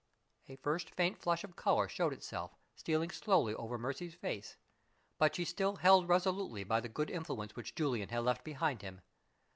A first faint flush of color showed itself, stealing slowly over Mercy's face; but she still held resolutely by the good influence which Julian had left behind him.